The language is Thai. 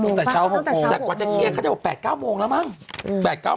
ตั้งแต่เช้า๖โมงแต่กว่าจะเคลียร์เขาจะบอก๘๙โมงแล้วมั้ง